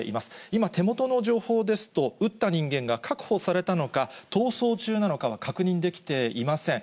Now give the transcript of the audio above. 今、手元の情報ですと、撃った人間が確保されたのか、逃走中なのかは確認できていません。